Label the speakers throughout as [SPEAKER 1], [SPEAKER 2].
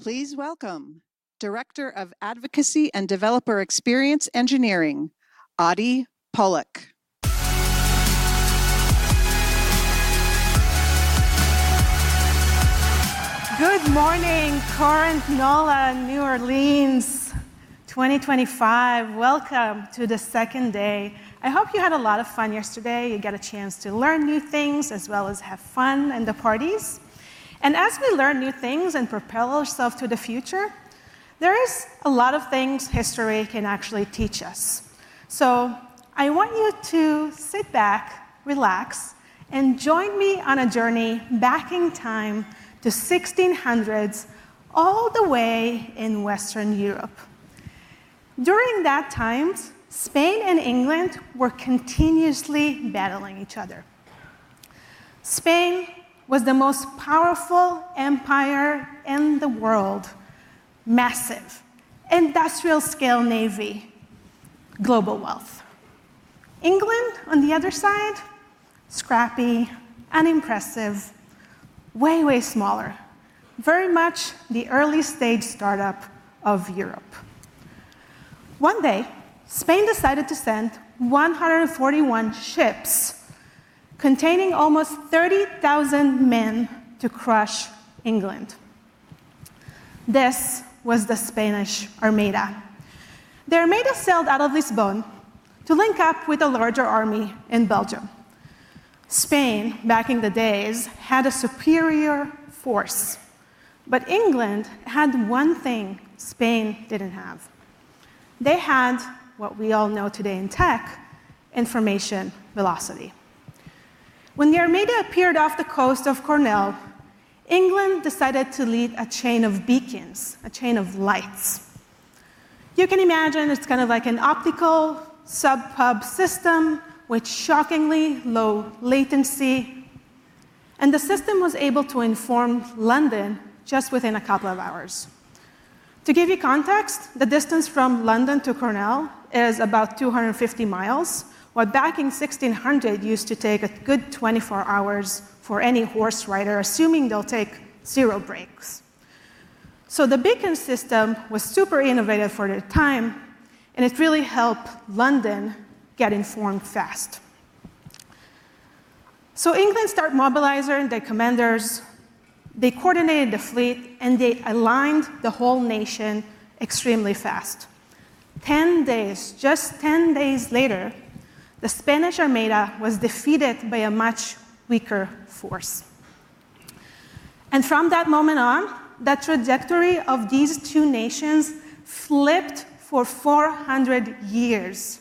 [SPEAKER 1] Please welcome Director of Advocacy and Developer Experience Engineering, Adi Polak.
[SPEAKER 2] Good morning, Current NOLA, New Orleans 2025. Welcome to the second day. I hope you had a lot of fun yesterday. You got a chance to learn new things as well as have fun in the parties, and as we learn new things and propel ourselves to the future, there are a lot of things history can actually teach us, so I want you to sit back, relax, and join me on a journey back in time to the 1600s, all the way in Western Europe. During that time, Spain and England were continuously battling each other. Spain was the most powerful empire in the world, massive, industrial-scale navy, global wealth. England, on the other side, scrappy, unimpressive, way, way smaller, very much the early-stage startup of Europe. One day, Spain decided to send 141 ships containing almost 30,000 men to crush England. This was the Spanish Armada. The Armada sailed out of Lisbon to link up with a larger army in Belgium. Spain, back in the days, had a superior force, but England had one thing Spain didn't have. They had what we all know today in tech, information velocity. When the Armada appeared off the coast of Cornwall, England decided to light a chain of beacons, a chain of lights. You can imagine it's kind of like an optical pub-sub system with shockingly low latency, and the system was able to inform London just within a couple of hours. To give you context, the distance from London to Cornwall is about 250 miles, while back in 1600, it used to take a good 24 hours for any horse rider, assuming they'll take zero breaks, so the beacon system was super innovative for the time, and it really helped London get informed fast. England started mobilizing their commanders. They coordinated the fleet, and they aligned the whole nation extremely fast. 10 days, just 10 days later, the Spanish Armada was defeated by a much weaker force. From that moment on, that trajectory of these two nations flipped for 400 years.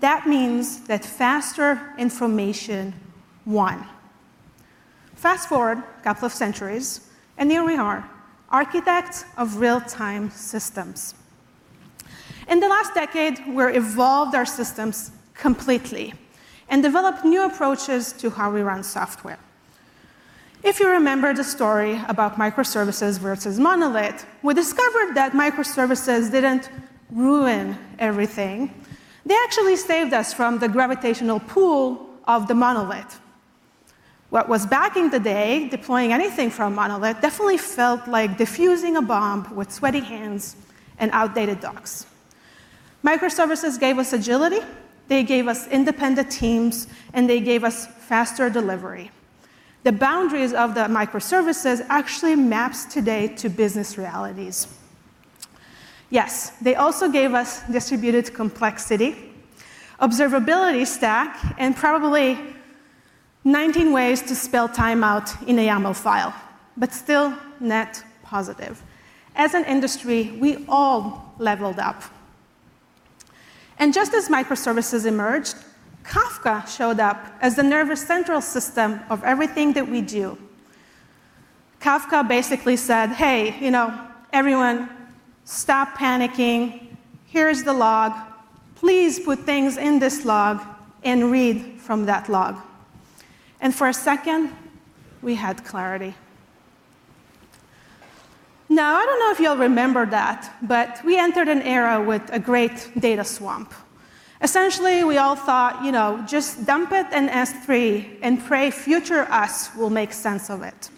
[SPEAKER 2] That means that faster information won. Fast forward a couple of centuries, and here we are, architects of real-time systems. In the last decade, we've evolved our systems completely and developed new approaches to how we run software. If you remember the story about microservices versus monolith, we discovered that microservices didn't ruin everything. They actually saved us from the gravitational pull of the monolith. What was back in the day, deploying anything from a monolith, definitely felt like defusing a bomb with sweaty hands and outdated docs. Microservices gave us agility. They gave us independent teams, and they gave us faster delivery. The boundaries of the microservices actually map today to business realities. Yes, they also gave us distributed complexity, observability stack, and probably 19 ways to spell timeout in a YAML file, but still net positive. As an industry, we all leveled up. And just as microservices emerged, Kafka showed up as the central nervous system of everything that we do. Kafka basically said, "Hey, you know, everyone, stop panicking. Here's the log. Please put things in this log and read from that log." And for a second, we had clarity. Now, I don't know if you all remember that, but we entered an era with a great data swamp. Essentially, we all thought, you know, just dump it in S3 and pray future us will make sense of it.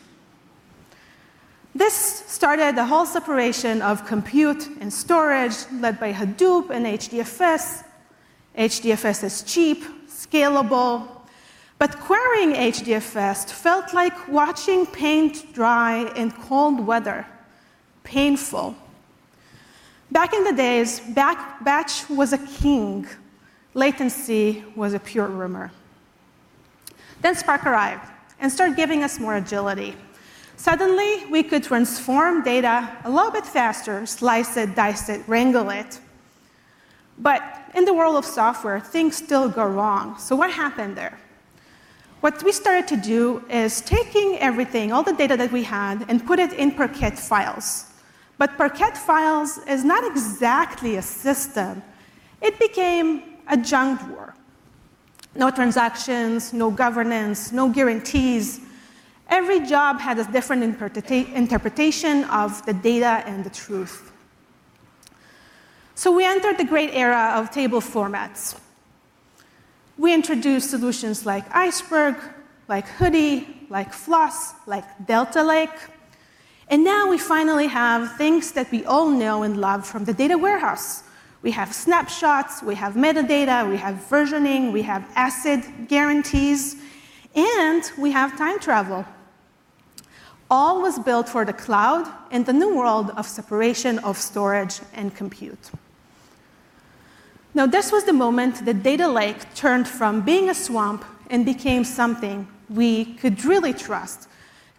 [SPEAKER 2] This started the whole separation of compute and storage, led by Hadoop and HDFS. HDFS is cheap, scalable. But querying HDFS felt like watching paint dry in cold weather. Painful. Back in the days, batch was a king. Latency was a pure rumor. Then Spark arrived and started giving us more agility. Suddenly, we could transform data a little bit faster, slice it, dice it, wrangle it. But in the world of software, things still go wrong. So what happened there? What we started to do is taking everything, all the data that we had, and put it in Parquet files. But Parquet files is not exactly a system. It became a junk drawer. No transactions, no governance, no guarantees. Every job had a different interpretation of the data and the truth. So we entered the great era of table formats. We introduced solutions like Iceberg, like Hudi, like Fluss, like Delta Lake. And now we finally have things that we all know and love from the data warehouse. We have snapshots, we have metadata, we have versioning, we have ACID guarantees, and we have time travel. All was built for the cloud and the new world of separation of storage and compute. Now, this was the moment that data lake turned from being a swamp and became something we could really trust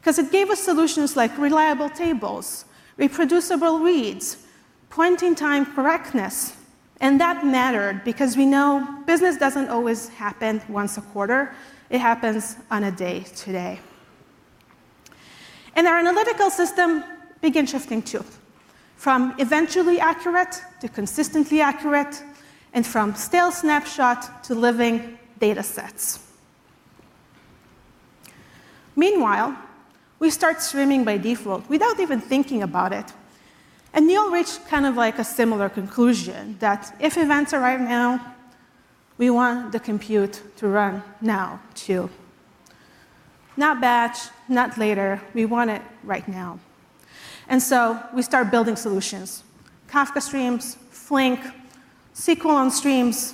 [SPEAKER 2] because it gave us solutions like reliable tables, reproducible reads, point-in-time correctness. And that mattered because we know business doesn't always happen once a quarter. It happens day to day. And our analytical system began shifting too, from eventually accurate to consistently accurate, and from stale snapshot to living data sets. Meanwhile, we start streaming by default without even thinking about it. And Neil reached kind of like a similar conclusion that if events arrive now, we want the compute to run now too. Not batch, not later. We want it right now. And so we start building solutions. Kafka Streams, Flink, SQL on Streams,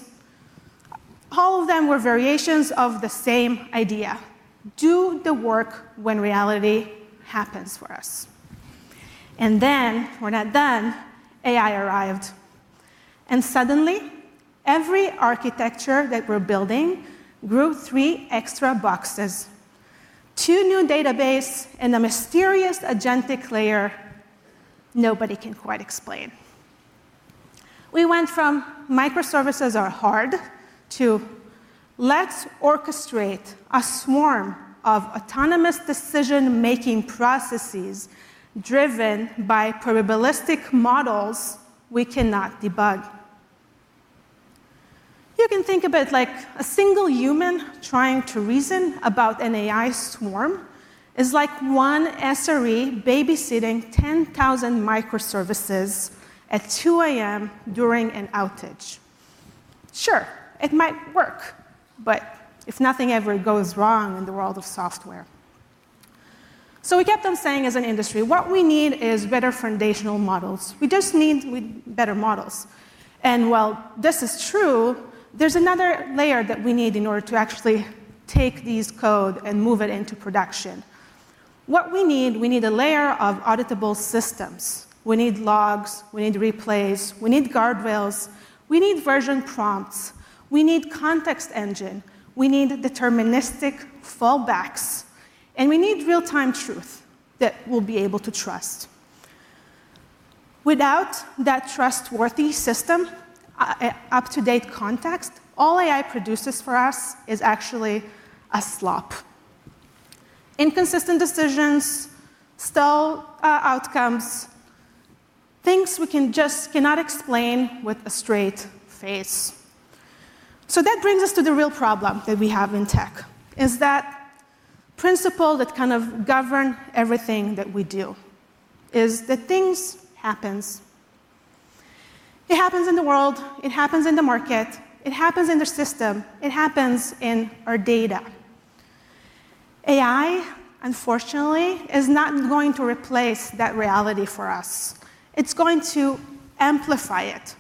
[SPEAKER 2] all of them were variations of the same idea. Do the work when reality happens for us. And then we're not done. AI arrived. And suddenly, every architecture that we're building grew three extra boxes, two new databases, and a mysterious agentic layer nobody can quite explain. We went from microservices are hard to let's orchestrate a swarm of autonomous decision-making processes driven by probabilistic models we cannot debug. You can think of it like a single human trying to reason about an AI swarm, is like one SRE babysitting 10,000 microservices at 2:00 A.M. during an outage. Sure, it might work, but if nothing ever goes wrong in the world of software? So we kept on saying as an industry, what we need is better foundation models. We just need better models. And while this is true, there's another layer that we need in order to actually take these codes and move it into production. What we need, we need a layer of auditable systems. We need logs. We need replays. We need guardrails. We need version prompts. We need context engine. We need deterministic fallbacks. And we need real-time truth that we'll be able to trust. Without that trustworthy system, up-to-date context, all AI produces for us is actually a slop. Inconsistent decisions, stale outcomes, things we just cannot explain with a straight face. So that brings us to the real problem that we have in tech, is that principle that kind of governs everything that we do, is that things happen. It happens in the world. It happens in the market. It happens in the system. It happens in our data. AI, unfortunately, is not going to replace that reality for us. It's going to amplify it.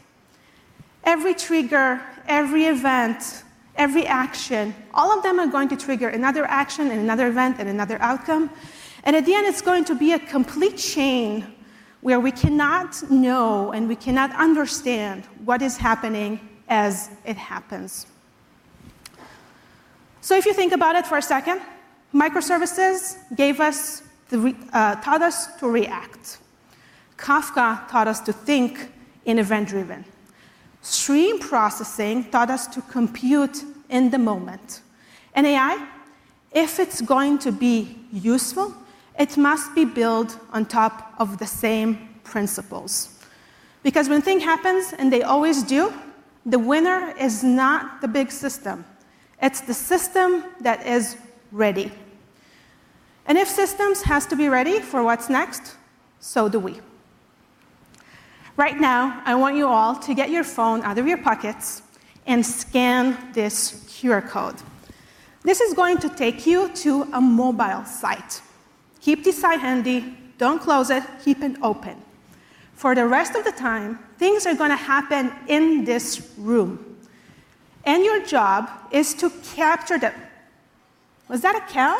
[SPEAKER 2] Every trigger, every event, every action, all of them are going to trigger another action, and another event, and another outcome, and at the end, it's going to be a complete chain where we cannot know and we cannot understand what is happening as it happens, so if you think about it for a second, microservices taught us to react. Kafka taught us to think in event-driven. Stream processing taught us to compute in the moment. AI, if it's going to be useful, it must be built on top of the same principles. Because when things happen, and they always do, the winner is not the big system. It's the system that is ready. If systems have to be ready for what's next, so do we. Right now, I want you all to get your phone out of your pockets and scan this QR code. This is going to take you to a mobile site. Keep this side handy. Don't close it. Keep it open. For the rest of the time, things are going to happen in this room. Your job is to capture them. Was that a cow?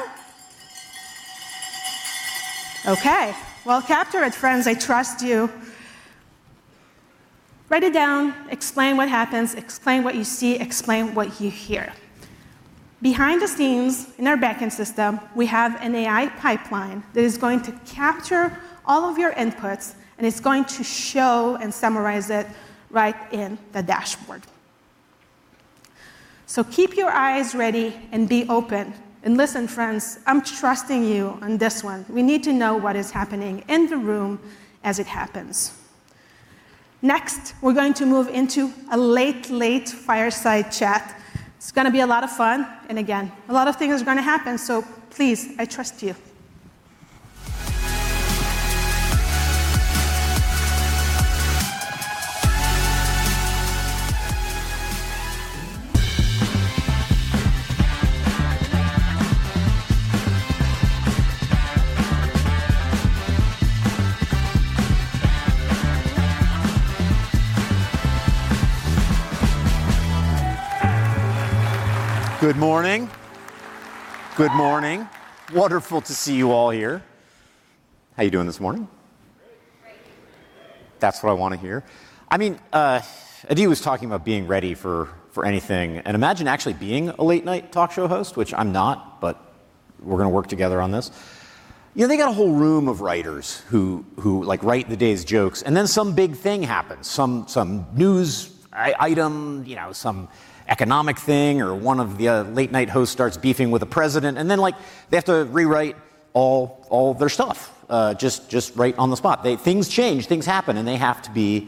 [SPEAKER 2] Okay. Capture it, friends. I trust you. Write it down. Explain what happens. Explain what you see. Explain what you hear. Behind the scenes, in our backend system, we have an AI pipeline that is going to capture all of your inputs, and it's going to show and summarize it right in the dashboard. So keep your eyes ready and be open, and listen, friends. I'm trusting you on this one. We need to know what is happening in the room as it happens. Next, we're going to move into a late-night fireside chat. It's going to be a lot of fun, and again, a lot of things are going to happen. So please, I trust you.
[SPEAKER 3] Good morning. Good morning. Wonderful to see you all here. How are you doing this morning? Great. That's what I want to hear. I mean, Adi was talking about being ready for anything, and imagine actually being a late-night talk show host, which I'm not, but we're going to work together on this. You know, they got a whole room of writers who write the day's jokes, and then some big thing happens, some news item, you know, some economic thing, or one of the late-night hosts starts beefing with the president, and then they have to rewrite all their stuff just right on the spot. Things change. Things happen, and they have to be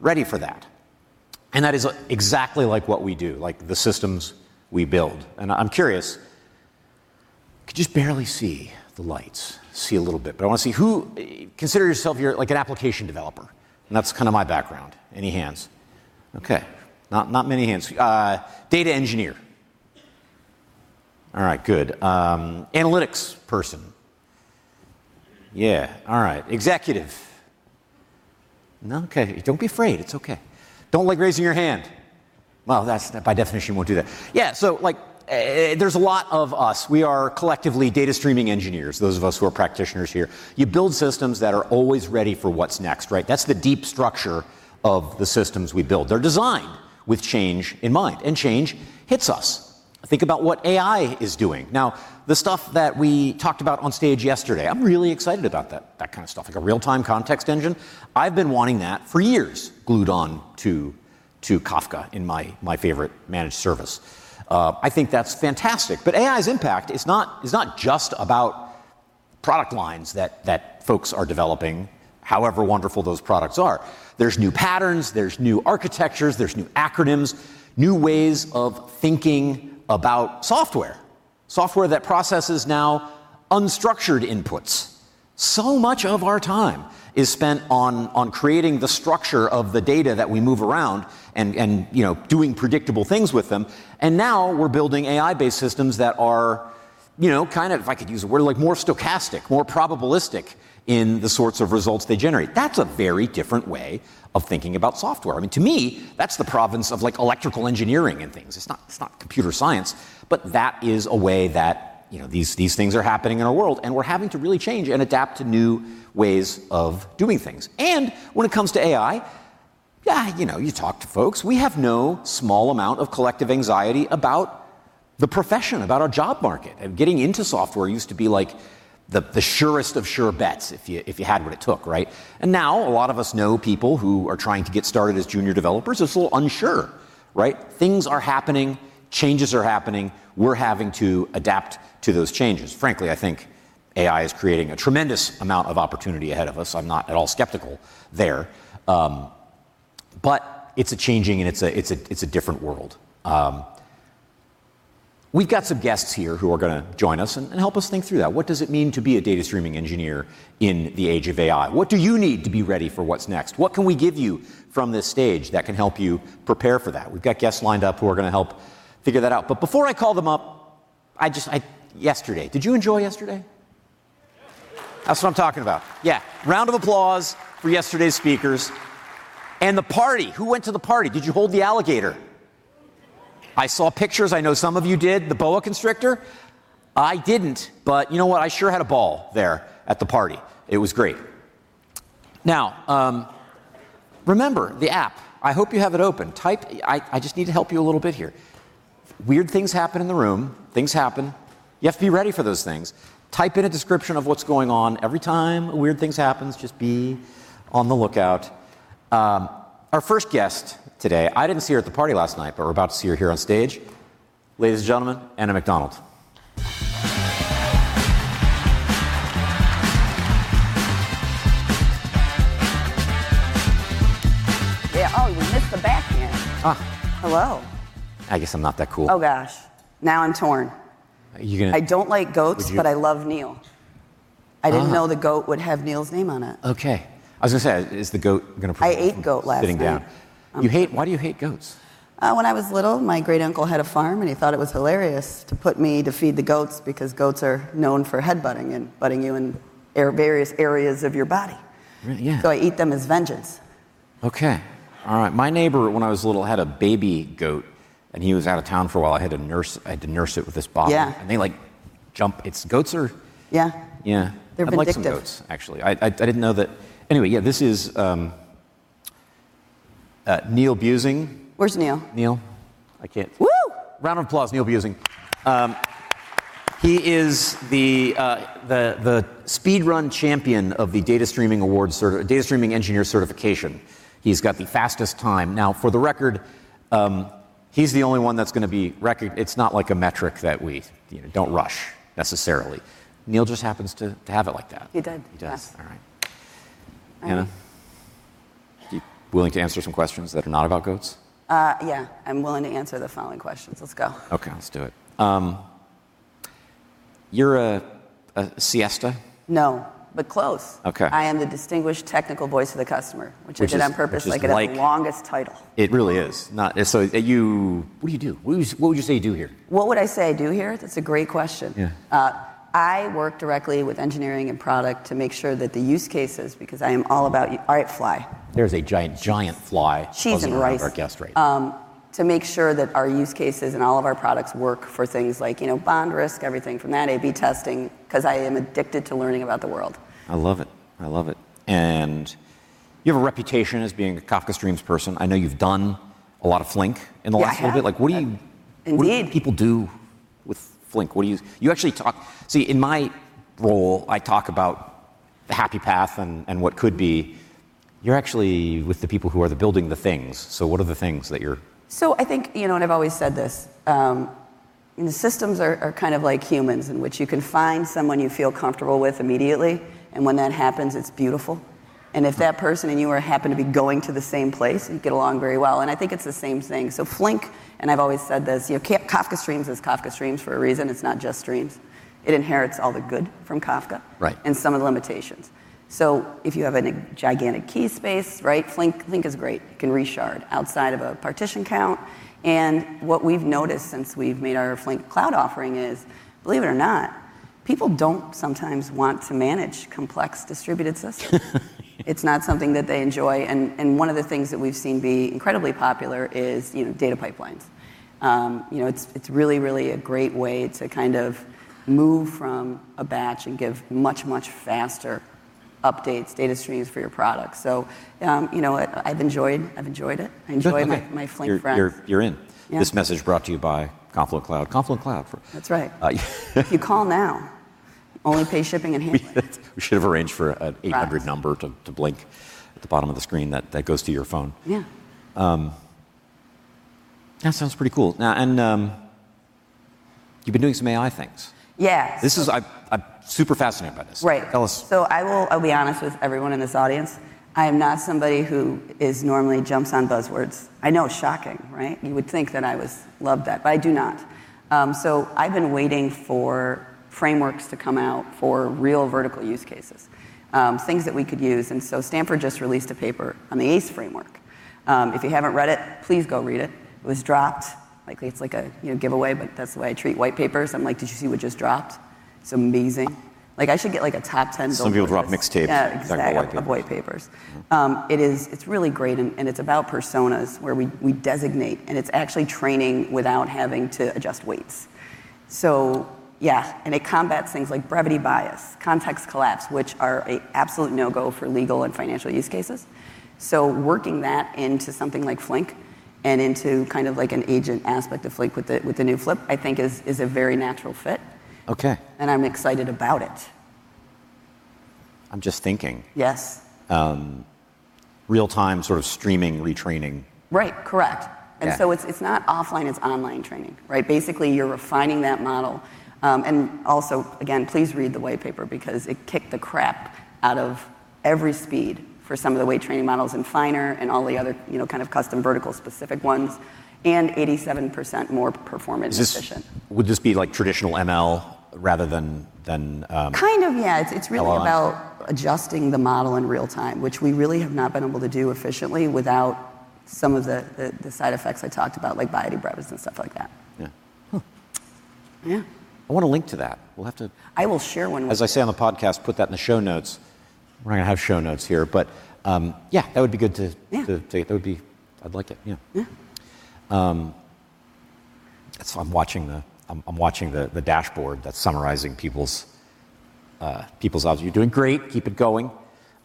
[SPEAKER 3] ready for that, and that is exactly like what we do, like the systems we build, and I'm curious. I could just barely see the lights. See a little bit. But I want to see who consider yourself like an application developer, and that's kind of my background. Any hands? Okay. Not many hands. Data engineer. All right. Good. Analytics person. Yeah. All right. Executive. Okay. Don't be afraid. It's okay. Don't like raising your hand, well, that's by definition, you won't do that. Yeah. So there's a lot of us. We are collectively data streaming engineers, those of us who are practitioners here. You build systems that are always ready for what's next, right? That's the deep structure of the systems we build. They're designed with change in mind. And change hits us. Think about what AI is doing. Now, the stuff that we talked about on stage yesterday, I'm really excited about that kind of stuff, like a real-time context engine. I've been wanting that for years, glued on to Kafka in my favorite managed service. I think that's fantastic. But AI's impact is not just about product lines that folks are developing, however wonderful those products are. There's new patterns. There's new architectures. There's new acronyms, new ways of thinking about software, software that processes now unstructured inputs. So much of our time is spent on creating the structure of the data that we move around and doing predictable things with them. And now we're building AI-based systems that are kind of, if I could use a word, like more stochastic, more probabilistic in the sorts of results they generate. That's a very different way of thinking about software. I mean, to me, that's the province of electrical engineering and things. It's not computer science. But that is a way that these things are happening in our world. And we're having to really change and adapt to new ways of doing things. And when it comes to AI, yeah, you talk to folks. We have no small amount of collective anxiety about the profession, about our job market. And getting into software used to be like the surest of sure bets if you had what it took, right? And now a lot of us know people who are trying to get started as junior developers. It's a little unsure, right? Things are happening. Changes are happening. We're having to adapt to those changes. Frankly, I think AI is creating a tremendous amount of opportunity ahead of us. I'm not at all skeptical there. But it's a changing and it's a different world. We've got some guests here who are going to join us and help us think through that. What does it mean to be a data streaming engineer in the age of AI? What do you need to be ready for what's next? What can we give you from this stage that can help you prepare for that? We've got guests lined up who are going to help figure that out. But before I call them up, I just yesterday. Did you enjoy yesterday? That's what I'm talking about. Yeah. Round of applause for yesterday's speakers. And the party. Who went to the party? Did you hold the alligator? I saw pictures. I know some of you did. The boa constrictor? I didn't. But you know what? I sure had a ball there at the party. It was great. Now, remember the app. I hope you have it open. I just need to help you a little bit here. Weird things happen in the room. Things happen. You have to be ready for those things. Type in a description of what's going on. Every time a weird thing happens, just be on the lookout. Our first guest today, I didn't see her at the party last night, but we're about to see her here on stage. Ladies and gentlemen, Anna McDonald.
[SPEAKER 4] Yeah. Oh, you missed the back end. Hello.
[SPEAKER 3] I guess I'm not that cool.
[SPEAKER 4] Oh, gosh. Now I'm torn. I don't like goats, but I love Neil. I didn't know the goat would have Neil's name on it.
[SPEAKER 3] Okay. I was going to say, is the goat going to perform?
[SPEAKER 4] I ate goat last night. Why do you hate goats? When I was little, my great uncle had a farm, and he thought it was hilarious to put me to feed the goats because goats are known for headbutting you in various areas of your body. So I eat them as vengeance.
[SPEAKER 3] Okay. All right. My neighbor, when I was little, had a baby goat. And he was out of town for a while. I had to nurse it with this bottle. And they jump. Yeah.
[SPEAKER 4] They're vindictive.
[SPEAKER 3] Yeah. I didn't know that. Anyway, yeah, this is Neil Buesing.
[SPEAKER 4] Where's Neil? Neil?
[SPEAKER 3] I can't. Woo. Round of applause. Neil Buesing. He is the speedrun champion of the Data Streaming Engineer Certification. He's got the fastest time. Now, for the record, he's the only one that's going to be on record. It's not like a metric that we don't rush necessarily. Neil just happens to have it like that.
[SPEAKER 4] He did. He does.
[SPEAKER 3] All right. Anna? Are you willing to answer some questions that are not about goats?
[SPEAKER 4] Yeah. I'm willing to answer the following questions. Let's go.
[SPEAKER 3] Okay. Let's do it. You're a CISO?
[SPEAKER 4] No. But close. I am the Distinguished Technical Voice of the Customer, which I did on purpose like a longest title.
[SPEAKER 3] It really is. So what do you do? What would you say you do here?
[SPEAKER 4] What would I say I do here? That's a great question. I work directly with engineering and product to make sure that the use cases, because I am all about alright, fly.
[SPEAKER 3] There's a giant fly.
[SPEAKER 4] Cheese and rice. To make sure that our use cases and all of our products work for things like bond risk, everything from that, A/B testing, because I am addicted to learning about the world.
[SPEAKER 3] I love it. I love it. And you have a reputation as being a Kafka Streams person. I know you've done a lot of Flink in the last little bit. What do people do with Flink? You actually talk see, in my role, I talk about the happy path and what could be. You're actually with the people who are building the things. So what are the things that you're?
[SPEAKER 4] So I think, and I've always said this, systems are kind of like humans in which you can find someone you feel comfortable with immediately. And when that happens, it's beautiful. And if that person and you happen to be going to the same place, you get along very well. And I think it's the same thing. So Flink, and I've always said this, Kafka Streams is Kafka Streams for a reason. It's not just streams. It inherits all the good from Kafka and some of the limitations. So if you have a gigantic key space, Flink is great. You can reshard outside of a partition count. And what we've noticed since we've made our Flink cloud offering is, believe it or not, people don't sometimes want to manage complex distributed systems. It's not something that they enjoy. And one of the things that we've seen be incredibly popular is data pipelines. It's really, really a great way to kind of move from a batch and give much, much faster updates, data streams for your product. So I've enjoyed it. I enjoy my Flink friends.
[SPEAKER 3] You're in. This message brought to you by Confluent Cloud. Confluent Cloud.
[SPEAKER 4] That's right. If you call now, only pay shipping and handling.
[SPEAKER 3] We should have arranged for an 800 number to blink at the bottom of the screen that goes to your phone.
[SPEAKER 4] Yeah.
[SPEAKER 3] That sounds pretty cool. Now, and you've been doing some AI things.
[SPEAKER 4] Yeah.
[SPEAKER 3] I'm super fascinated by this.
[SPEAKER 4] Right. So I'll be honest with everyone in this audience. I am not somebody who normally jumps on buzzwords. I know it's shocking, right? You would think that I loved that, but I do not. I've been waiting for frameworks to come out for real vertical use cases, things that we could use. And so Stanford just released a paper on the ACE Framework. If you haven't read it, please go read it. It was dropped. It's like a giveaway, but that's the way I treat white papers. I'm like, "Did you see what just dropped?" It's amazing. I should get like a top 10 books. Some people drop mixtapes. Yeah, exactly. Of white papers. It's really great. And it's about personas where we designate. And it's actually training without having to adjust weights. So yeah. And it combats things like brevity bias, context collapse, which are an absolute no-go for legal and financial use cases. So working that into something like Flink and into kind of like an agent aspect of Flink with the new Flink, I think, is a very natural fit. And I'm excited about it.
[SPEAKER 3] I'm just thinking.
[SPEAKER 4] Yes.
[SPEAKER 3] Real-time sort of streaming retraining.
[SPEAKER 4] Right. Correct. And so it's not offline. It's online training, right? Basically, you're refining that model. And also, again, please read the white paper because it kicked the crap out of every speed for some of the weight training models and FiNER and all the other kind of custom vertical-specific ones and 87% more performance efficient.
[SPEAKER 3] Would this be like traditional ML rather than?
[SPEAKER 4] Kind of, yeah. It's really about adjusting the model in real time, which we really have not been able to do efficiently without some of the side effects I talked about, like biodegradability and stuff like that. Yeah.
[SPEAKER 3] I want to link to that. We'll have to. I will share one with you. As I say on the podcast, put that in the show notes. We're not going to have show notes here. But yeah, that would be good to, yeah, that would be, I'd like it. Yeah. I'm watching the dashboard that's summarizing people's options. You're doing great. Keep it going.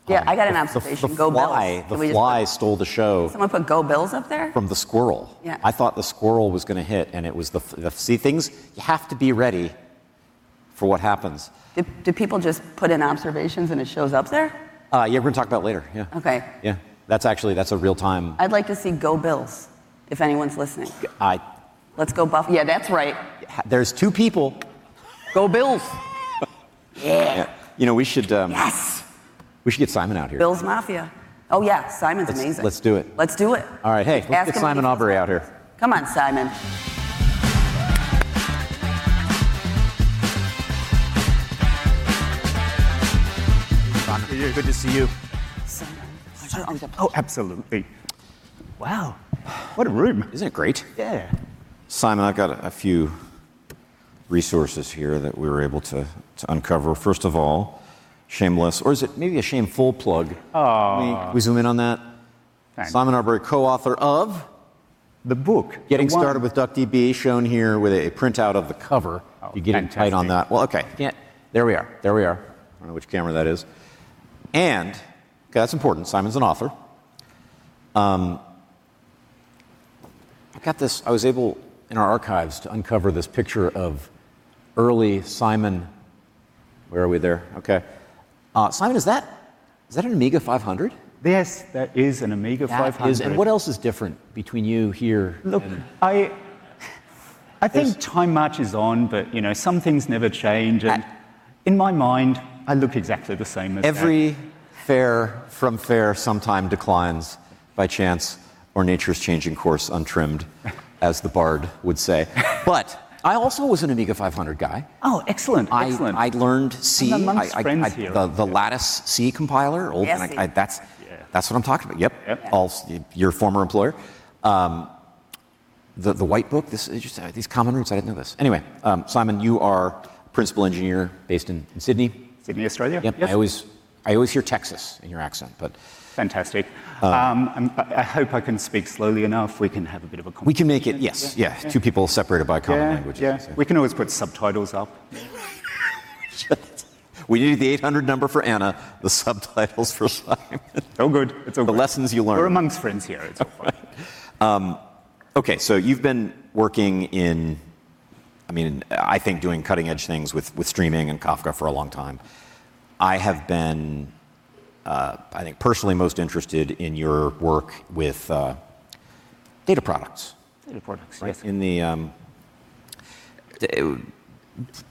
[SPEAKER 4] Yeah. I got an observation. Go Bills.
[SPEAKER 3] The fly stole the show.
[SPEAKER 4] Someone put go bills up there?
[SPEAKER 3] From the squirrel. I thought the squirrel was going to hit. And it was the, see, things have to be ready for what happens.
[SPEAKER 4] Do people just put in observations and it shows up there?
[SPEAKER 3] Yeah. We're going to talk about it later.
[SPEAKER 4] Yeah. Okay.
[SPEAKER 3] Yeah. That's actually, that's a real-time.
[SPEAKER 4] I'd like to see go bills if anyone's listening. Let's go buff. Yeah, that's right.
[SPEAKER 3] There's two people. Go bills. Yeah. We should get Simon out here.
[SPEAKER 4] Bills Mafia. Oh, yeah. Simon's amazing.
[SPEAKER 3] Let's do it.
[SPEAKER 4] Let's do it.
[SPEAKER 3] All right. Hey, let's get Simon Aubury out here.
[SPEAKER 4] Come on, Simon.
[SPEAKER 3] Good to see you. Simon.
[SPEAKER 5] Oh, absolutely. Wow. What a room. Isn't it great?
[SPEAKER 3] Yeah. Simon, I've got a few resources here that we were able to uncover. First of all, shameless, or is it maybe a shameful plug? Oh. We zoom in on that. Simon Aubury, co-author of the book Getting Started with DuckDB, shown here with a printout of the cover. You're getting tight on that. Well, okay. There we are. There we are. I don't know which camera that is. That's important. Simon's an author. I was able in our archives to uncover this picture of early Simon.
[SPEAKER 5] Where are we there?
[SPEAKER 3] Okay. Simon, is that an Amiga 500?
[SPEAKER 5] Yes, that is an Amiga 500.
[SPEAKER 3] And what else is different between you here and?
[SPEAKER 5] Look, I think time matches on, but some things never change. And in my mind, I look exactly the same as you.
[SPEAKER 3] Every fair from fair sometime declines by chance or nature's changing course untrimmed, as the bard would say. But I also was an Amiga 500 guy.
[SPEAKER 5] Oh, excellent. Excellent.
[SPEAKER 3] I learned C. I did. The Lattice C compiler. Yes. That's what I'm talking about. Yep. Your former employer. The white book, these common roots, I didn't know this. Anyway, Simon, you are a principal engineer based in Sydney. Sydney, Australia. Yep. I always hear Texas in your accent, but.
[SPEAKER 5] Fantastic. I hope I can speak slowly enough. We can have a bit of a conversation.
[SPEAKER 3] We can make it, yes. Yeah. Two people separated by common language.
[SPEAKER 5] We can always put subtitles up.
[SPEAKER 3] We need the 800 number for Anna, the subtitles for Simon.
[SPEAKER 5] It's all good. It's all good.
[SPEAKER 3] The lessons you learn.
[SPEAKER 5] We're among friends here.
[SPEAKER 3] It's all fine. Okay. So you've been working in, I mean, I think doing cutting-edge things with streaming and Kafka for a long time. I have been, I think, personally most interested in your work with data products.
[SPEAKER 5] Data products, yes.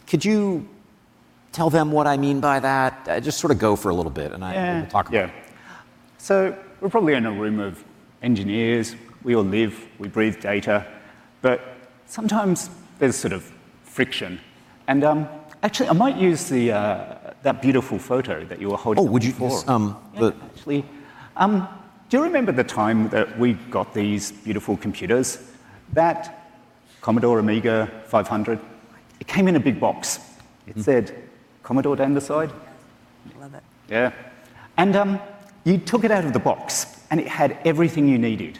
[SPEAKER 3] Could you tell them what I mean by that? Just sort of go for a little bit and I'll talk about it.
[SPEAKER 5] Yeah. So we're probably in a room of engineers. We all live. We breathe data. But sometimes there's sort of friction. And actually, I might use that beautiful photo that you were holding for us. Oh, would you? Actually, do you remember the time that we got these beautiful computers, that Commodore Amiga 500? It came in a big box. It said, "Commodore down the side." I love it. Yeah. And you took it out of the box and it had everything you needed.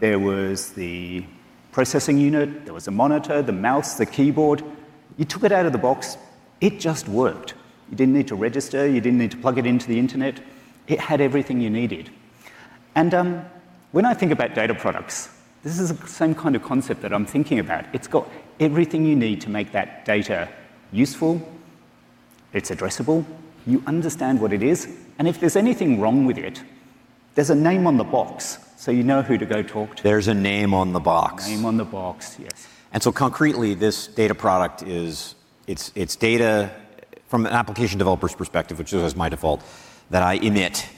[SPEAKER 5] There was the processing unit. There was a monitor, the mouse, the keyboard. You took it out of the box. It just worked. You didn't need to register. You didn't need to plug it into the internet. It had everything you needed. And when I think about data products, this is the same kind of concept that I'm thinking about. It's got everything you need to make that data useful. It's addressable. You understand what it is. And if there's anything wrong with it, there's a name on the box so you know who to go talk to.
[SPEAKER 3] There's a name on the box.
[SPEAKER 5] Name on the box, yes.
[SPEAKER 3] And so concretely, this data product is its data from an application developer's perspective, which is my default, that I emit.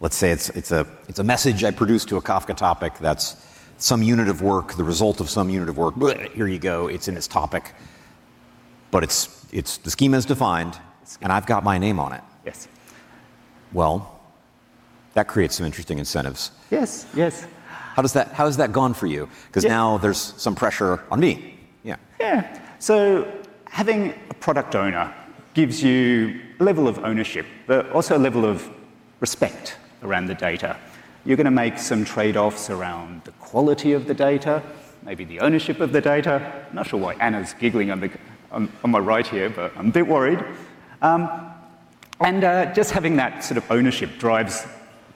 [SPEAKER 3] Let's say it's a message I produce to a Kafka topic that's some unit of work, the result of some unit of work. Here you go. It's in its topic. But the schema is defined and I've got my name on it.
[SPEAKER 5] Yes.
[SPEAKER 3] Well, that creates some interesting incentives.
[SPEAKER 5] Yes. Yes.
[SPEAKER 3] How has that gone for you? Because now there's some pressure on me.
[SPEAKER 5] Yeah. Yeah. So having a product owner gives you a level of ownership, but also a level of respect around the data. You're going to make some trade-offs around the quality of the data, maybe the ownership of the data. I'm not sure why Anna's giggling on my right here, but I'm a bit worried. Just having that sort of ownership drives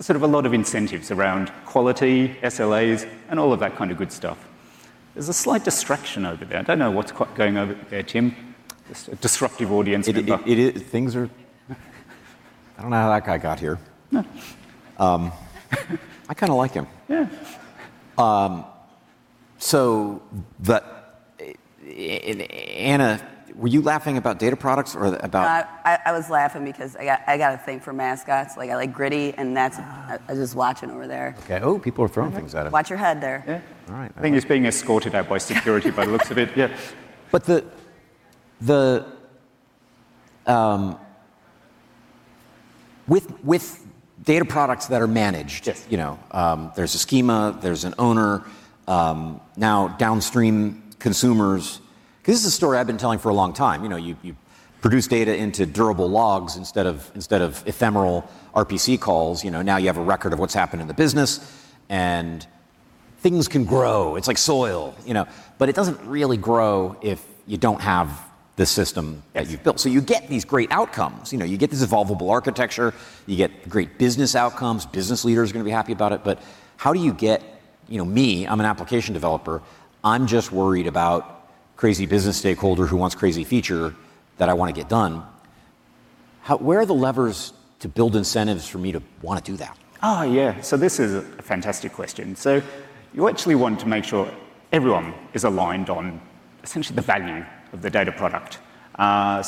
[SPEAKER 5] sort of a lot of incentives around quality, SLAs, and all of that kind of good stuff. There's a slight distraction over there. I don't know what's going over there, Tim. Just a disruptive audience.
[SPEAKER 1] Things are. I don't know how that guy got here. I kind of like him. Yeah. So Anna, were you laughing about data products or about.
[SPEAKER 4] I was laughing because I got a thing for mascots. I like Gritty, and I was just watching over there.
[SPEAKER 3] Okay. Oh, people are throwing things at him.
[SPEAKER 4] Watch your head there. Yeah. All right.
[SPEAKER 5] I think he's being escorted out by security by the looks of it.
[SPEAKER 3] Yeah, but with data products that are managed, there's a schema. There's an owner. Now, downstream consumers, because this is a story I've been telling for a long time. You produce data into durable logs instead of ephemeral RPC calls. Now you have a record of what's happened in the business, and things can grow. It's like soil. But it doesn't really grow if you don't have the system that you've built. So you get these great outcomes. You get this evolvable architecture. You get great business outcomes. Business leaders are going to be happy about it. But how do you get me? I'm an application developer. I'm just worried about a crazy business stakeholder who wants a crazy feature that I want to get done. Where are the levers to build incentives for me to want to do that?
[SPEAKER 5] Oh, yeah. So this is a fantastic question. So you actually want to make sure everyone is aligned on essentially the value of the data product.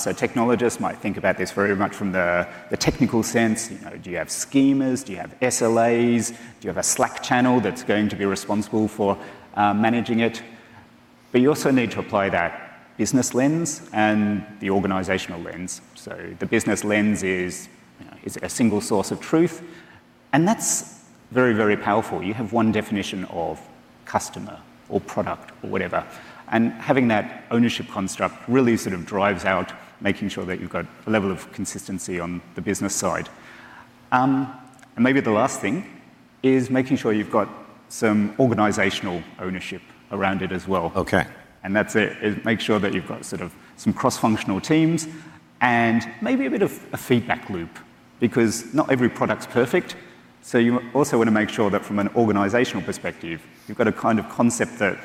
[SPEAKER 5] So technologists might think about this very much from the technical sense. Do you have schemas? Do you have SLAs? Do you have a Slack channel that's going to be responsible for managing it? But you also need to apply that business lens and the organizational lens. So the business lens is a single source of truth. And that's very, very powerful. You have one definition of customer or product or whatever. And having that ownership construct really sort of drives out making sure that you've got a level of consistency on the business side. And maybe the last thing is making sure you've got some organizational ownership around it as well. Okay. And that's it. Make sure that you've got sort of some cross-functional teams and maybe a bit of a feedback loop because not every product's perfect. So you also want to make sure that from an organizational perspective, you've got a kind of concept that,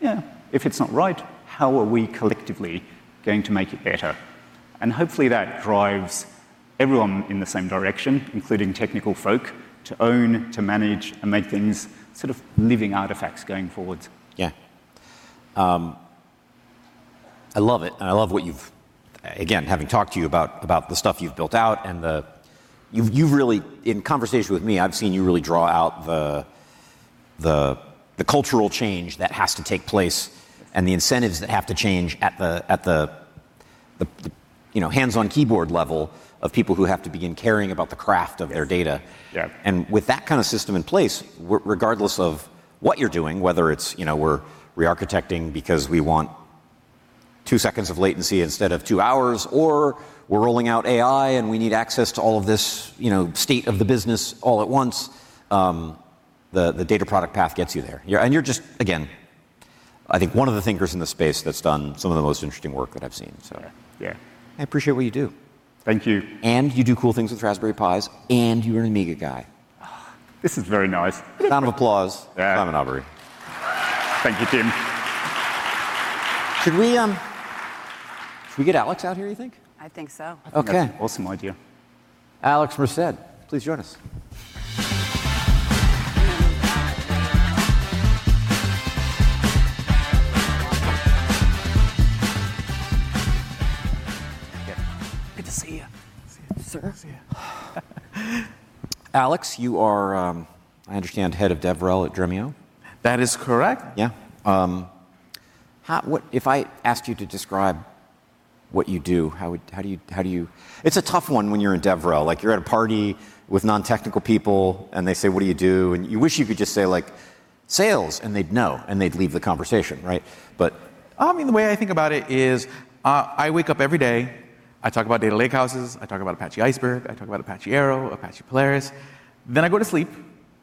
[SPEAKER 5] yeah, if it's not right, how are we collectively going to make it better? And hopefully that drives everyone in the same direction, including technical folk, to own, to manage, and make things sort of living artifacts going forward.
[SPEAKER 3] Yeah. I love it. And I love what you've, again, having talked to you about the stuff you've built out. And in conversation with me, I've seen you really draw out the cultural change that has to take place and the incentives that have to change at the hands-on keyboard level of people who have to begin caring about the craft of their data. And with that kind of system in place, regardless of what you're doing, whether it's we're re-architecting because we want two seconds of latency instead of two hours, or we're rolling out AI and we need access to all of this state of the business all at once, the data product path gets you there. And you're just, again, I think one of the thinkers in the space that's done some of the most interesting work that I've seen. So yeah. I appreciate what you do.
[SPEAKER 5] Thank you.
[SPEAKER 3] And you do cool things with Raspberry Pis, and you're an Amiga guy.
[SPEAKER 5] This is very nice.
[SPEAKER 1] Sound of applause. Yeah. Simon Aubury.
[SPEAKER 5] Thank you, Tim.
[SPEAKER 3] Should we get Alex out here, you think?
[SPEAKER 4] I think so.
[SPEAKER 3] Okay.
[SPEAKER 5] Awesome idea.
[SPEAKER 3] Alex Merced, please join us.
[SPEAKER 6] Good to see you. Sir.
[SPEAKER 3] Alex, you are, I understand, head of DevRel at Dremio.
[SPEAKER 6] That is correct.
[SPEAKER 3] Yeah. If I asked you to describe what you do, how do you? It's a tough one when you're in DevRel. You're at a party with non-technical people, and they say, "What do you do?" And you wish you could just say, "Sales," and they'd know, and they'd leave the conversation, right?
[SPEAKER 6] But I mean, the way I think about it is I wake up every day. I talk about data lakehouses. I talk about Apache Iceberg. I talk about Apache Arrow, Apache Polaris. Then I go to sleep,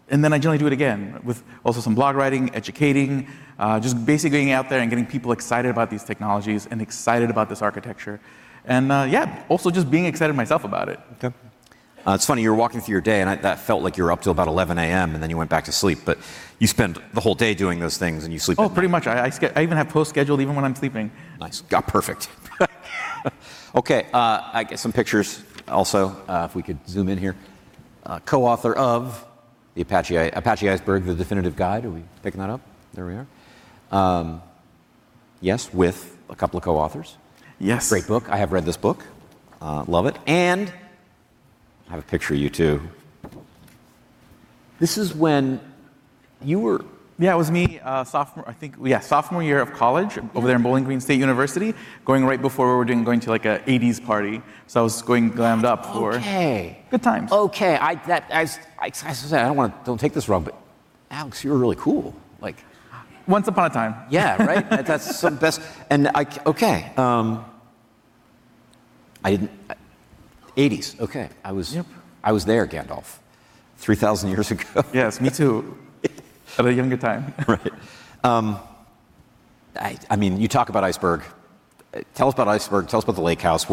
[SPEAKER 6] and then I generally do it again with also some blog writing, educating, just basically being out there and getting people excited about these technologies and excited about this architecture. And yeah, also just being excited myself about it.
[SPEAKER 3] It's funny. You're walking through your day, and that felt like you were up till about 11:00 A.M., and then you went back to sleep. But you spend the whole day doing those things, and you sleep.
[SPEAKER 6] Oh, pretty much. I even have post-scheduled even when I'm sleeping.
[SPEAKER 3] Nice. Got perfect. Okay. I get some pictures also. If we could zoom in here. Co-author of Apache Iceberg: The Definitive Guide. Are we picking that up? There we are. Yes, with a couple of co-authors. Yes. Great book. I have read this book. Love it, and I have a picture of you too. This is when you were.
[SPEAKER 6] Yeah, it was me, I think. Yeah, sophomore year of college over there in Bowling Green State University, going right before we were going to like an '80s party. So I was going glammed up for.
[SPEAKER 3] Okay.
[SPEAKER 6] Good times.
[SPEAKER 3] Okay. I don't want to. Don't take this wrong, but Alex, you were really cool.
[SPEAKER 6] Once upon a time.
[SPEAKER 3] Yeah, right? That's the best, and okay. '80s. Okay. I was there, Gandalf, 3,000 years ago.
[SPEAKER 6] Yes. Me too. At a younger time.
[SPEAKER 3] Right. I mean, you talk about Iceberg. Tell us about Iceberg. Tell us about the lakehouse.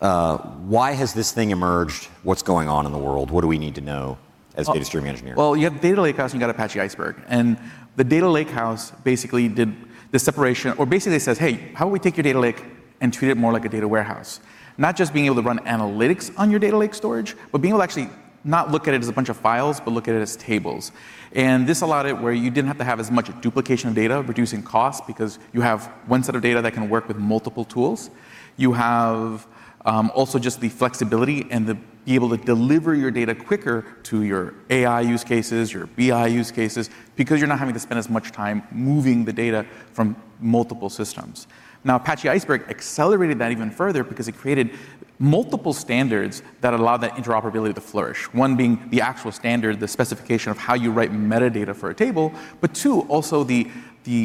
[SPEAKER 3] Why has this thing emerged? What's going on in the world? What do we need to know as data streaming engineers?
[SPEAKER 6] Well, you have data lakehouse, and you got Apache Iceberg. And the data lakehouse basically did the separation, or basically says, "Hey, how about we take your data lake and treat it more like a data warehouse?" Not just being able to run analytics on your data lake storage, but being able to actually not look at it as a bunch of files, but look at it as tables. And this allowed it where you didn't have to have as much duplication of data, reducing costs because you have one set of data that can work with multiple tools. You have also just the flexibility and the ability to deliver your data quicker to your AI use cases, your BI use cases, because you're not having to spend as much time moving the data from multiple systems. Now, Apache Iceberg accelerated that even further because it created multiple standards that allow that interoperability to flourish. One being the actual standard, the specification of how you write metadata for a table, but two, also the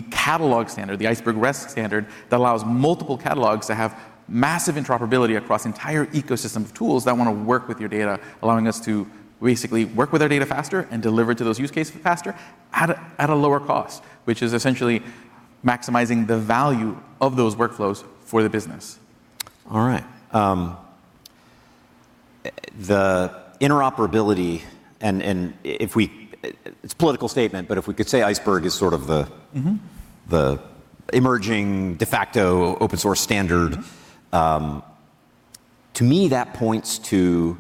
[SPEAKER 6] catalog standard, the Iceberg REST standard that allows multiple catalogs to have massive interoperability across the entire ecosystem of tools that want to work with your data, allowing us to basically work with our data faster and deliver to those use cases faster at a lower cost, which is essentially maximizing the value of those workflows for the business.
[SPEAKER 3] All right. The interoperability, and it's a political statement, but if we could say Iceberg is sort of the emerging de facto open-source standard, to me, that points to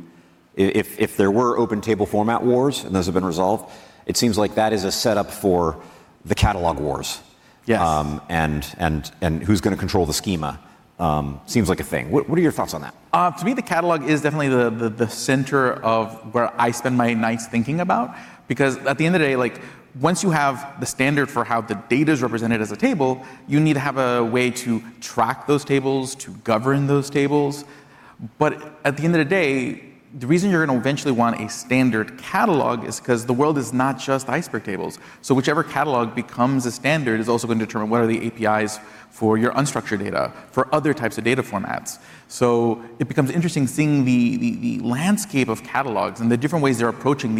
[SPEAKER 3] if there were open table format wars, and those have been resolved, it seems like that is a setup for the catalog wars.
[SPEAKER 6] Yes.
[SPEAKER 3] And who's going to control the schema? Seems like a thing. What are your thoughts on that?
[SPEAKER 6] To me, the catalog is definitely the center of where I spend my nights thinking about. Because at the end of the day, once you have the standard for how the data is represented as a table, you need to have a way to track those tables, to govern those tables. But at the end of the day, the reason you're going to eventually want a standard catalog is because the world is not just Iceberg tables. So whichever catalog becomes a standard is also going to determine what are the APIs for your unstructured data, for other types of data formats. So it becomes interesting seeing the landscape of catalogs and the different ways they're approaching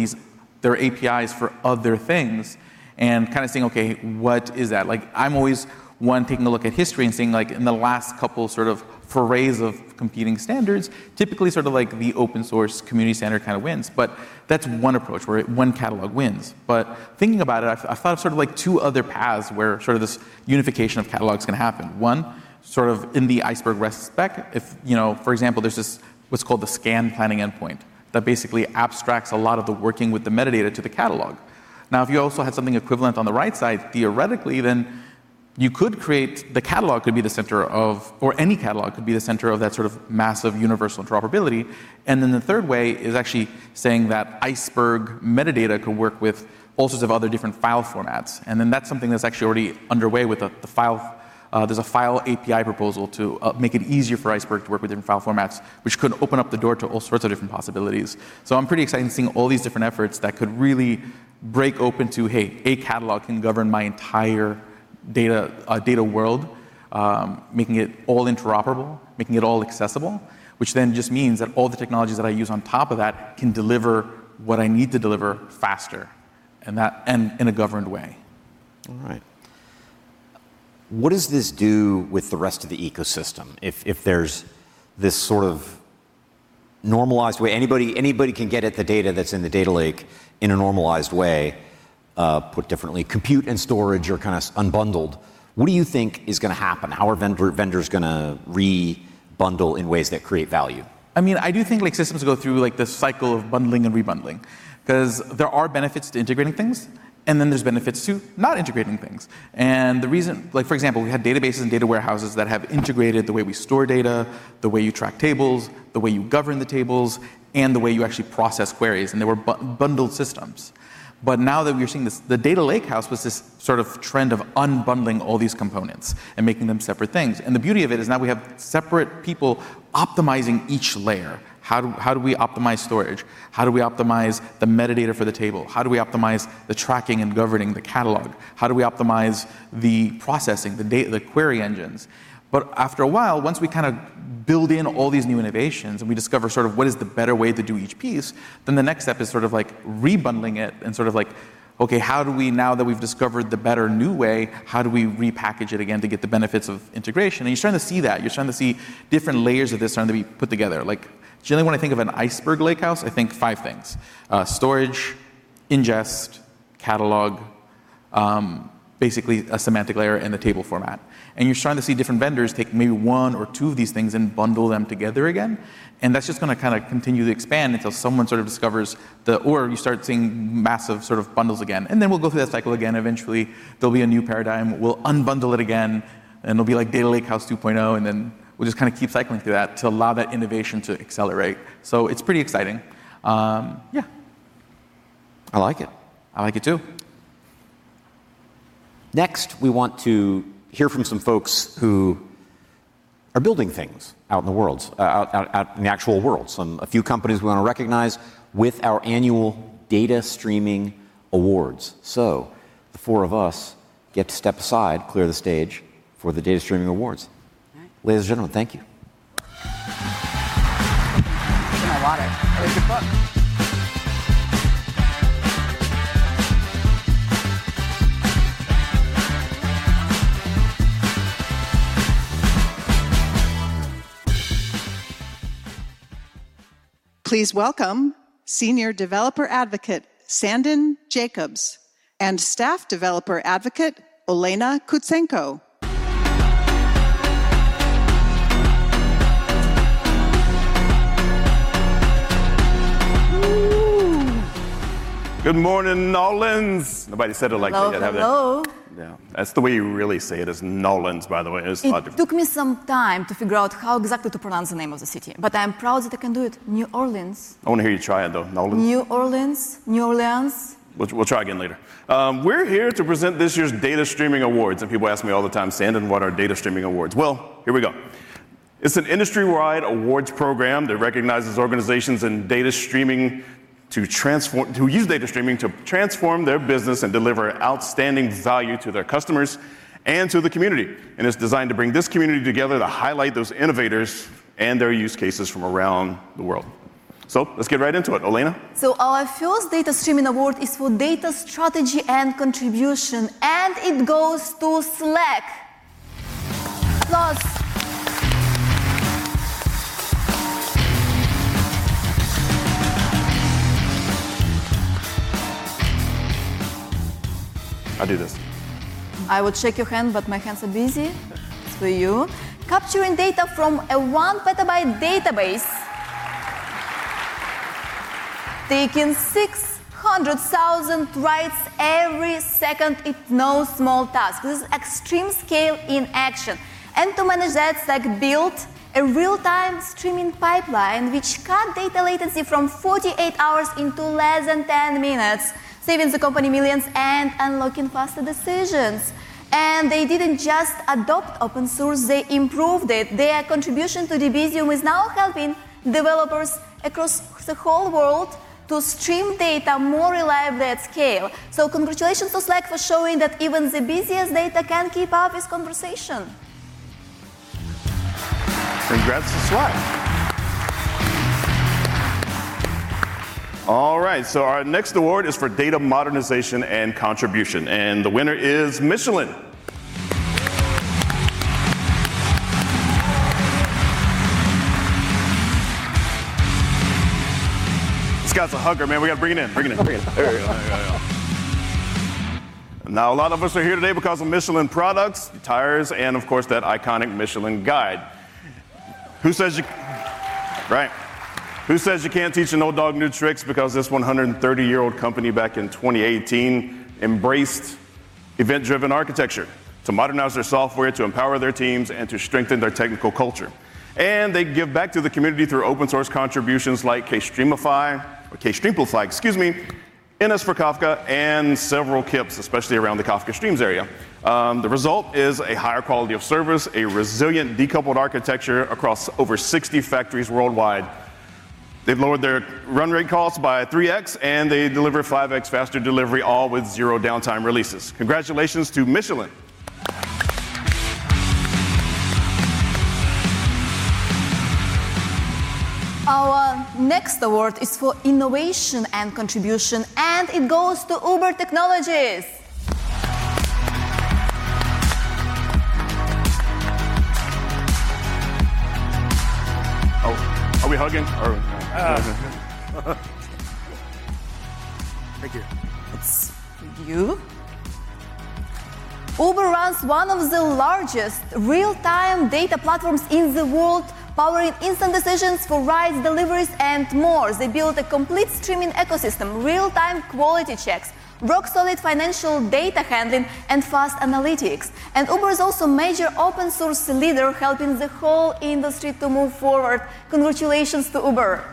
[SPEAKER 6] their APIs for other things and kind of saying, "Okay, what is that?" I'm always one taking a look at history and seeing in the last couple sort of forays of competing standards, typically sort of like the open-source community standard kind of wins. But that's one approach where one catalog wins. But thinking about it, I thought of sort of like two other paths where sort of this unification of catalogs can happen. One, sort of in the Iceberg REST spec, for example, there's what's called the scan planning endpoint that basically abstracts a lot of the working with the metadata to the catalog. Now, if you also had something equivalent on the right side, theoretically, then you could create the catalog could be the center of, or any catalog could be the center of that sort of massive universal interoperability, and then the third way is actually saying that Iceberg metadata could work with all sorts of other different file formats, and then that's something that's actually already underway with the file. There's a file API proposal to make it easier for Iceberg to work with different file formats, which could open up the door to all sorts of different possibilities. So I'm pretty excited seeing all these different efforts that could really break open to, "Hey, a catalog can govern my entire data world," making it all interoperable, making it all accessible, which then just means that all the technologies that I use on top of that can deliver what I need to deliver faster and in a governed way.
[SPEAKER 3] All right. What does this do with the rest of the ecosystem if there's this sort of normalized way? Anybody can get at the data that's in the data lake in a normalized way, put differently. Compute and storage are kind of unbundled. What do you think is going to happen? How are vendors going to rebundle in ways that create value?
[SPEAKER 6] I mean, I do think systems go through the cycle of bundling and rebundling because there are benefits to integrating things, and then there's benefits to not integrating things. And the reason, for example, we had databases and data warehouses that have integrated the way we store data, the way you track tables, the way you govern the tables, and the way you actually process queries. And they were bundled systems. But now that we're seeing this, the data lakehouse was this sort of trend of unbundling all these components and making them separate things. And the beauty of it is now we have separate people optimizing each layer. How do we optimize storage? How do we optimize the metadata for the table? How do we optimize the tracking and governing the catalog? How do we optimize the processing, the query engines? But after a while, once we kind of build in all these new innovations and we discover sort of what is the better way to do each piece, then the next step is sort of like rebundling it and sort of like, "Okay, how do we know that we've discovered the better new way, how do we repackage it again to get the benefits of integration?" And you're starting to see that. You're starting to see different layers of this starting to be put together. Generally, when I think of an Iceberg lakehouse, I think five things: storage, ingest, catalog, basically a semantic layer, and the table format. And you're starting to see different vendors take maybe one or two of these things and bundle them together again. That's just going to kind of continue to expand until someone sort of discovers the, or you start seeing massive sort of bundles again. Then we'll go through that cycle again. Eventually, there'll be a new paradigm. We'll unbundle it again, and it'll be like data lakehouse 2.0, and then we'll just kind of keep cycling through that to allow that innovation to accelerate. So it's pretty exciting. Yeah.
[SPEAKER 3] I like it.
[SPEAKER 6] I like it too.
[SPEAKER 3] Next, we want to hear from some folks who are building things out in the world, out in the actual world. A few companies we want to recognize with our annual data streaming awards. So the four of us get to step aside, clear the stage for the data streaming awards. Ladies and gentlemen, thank you. I like it.
[SPEAKER 1] Please welcome Senior Developer Advocate Sandon Jacobs and Staff Developer Advocate Olena Kutsenko.
[SPEAKER 7] Good morning, Nolans. Nobody said it like that yet.
[SPEAKER 8] Hello.
[SPEAKER 7] Yeah. That's the way you really say it is, Nolans, by the way.
[SPEAKER 8] It took me some time to figure out how exactly to pronounce the name of the city, but I'm proud that I can do it. New Orleans.
[SPEAKER 7] I want to hear you try it though.
[SPEAKER 8] New Orleans, New Orleans.
[SPEAKER 7] We'll try again later. We're here to present this year's Data Streaming Awards, and people ask me all the time, "Sandon, what are Data Streaming Awards?" well, here we go. It's an industry-wide awards program that recognizes organizations in data streaming to use data streaming to transform their business and deliver outstanding value to their customers and to the community. It's designed to bring this community together to highlight those innovators and their use cases from around the world. So let's get right into it, Olena.
[SPEAKER 8] So our first data streaming award is for data strategy and contribution, and it goes to Slack.
[SPEAKER 7] I'll do this.
[SPEAKER 8] I will shake your hand, but my hands are busy. It's for you. Capturing data from a one petabyte database. Taking 600,000 writes every second, it's no small task. This is extreme scale in action. And to manage that, Slack built a real-time streaming pipeline, which cut data latency from 48 hours into less than 10 minutes, saving the company millions and unlocking faster decisions. And they didn't just adopt open source. They improved it. Their contribution to Debezium is now helping developers across the whole world to stream data more reliably at scale. Congratulations to Slack for showing that even the busiest data can keep up with conversation.
[SPEAKER 7] Congrats to Slack. All right. Our next award is for data modernization and contribution. The winner is Michelin. This guy's a hugger, man. We got to bring it in. Bring it in. There you go. There you go. Now, a lot of us are here today because of Michelin products, tires, and of course, that iconic Michelin guide. Who says you can't teach an old dog new tricks? Because this 130-year-old company back in 2018 embraced event-driven architecture to modernize their software, to empower their teams, and to strengthen their technical culture. They give back to the community through open-source contributions like Kstreamplify, excuse me, Ns4Kafka, and several KIPs, especially around the Kafka Streams area. The result is a higher quality of service, a resilient decoupled architecture across over 60 factories worldwide. They've lowered their run rate costs by 3x, and they deliver 5x faster delivery, all with zero downtime releases. Congratulations to Michelin.
[SPEAKER 8] Our next award is for innovation and contribution, and it goes to Uber Technologies.
[SPEAKER 7] Are we hugging? Thank you. It's you.
[SPEAKER 8] Uber runs one of the largest real-time data platforms in the world, powering instant decisions for rides, deliveries, and more. They built a complete streaming ecosystem, real-time quality checks, rock-solid financial data handling, and fast analytics. And Uber is also a major open-source leader, helping the whole industry to move forward. Congratulations to Uber.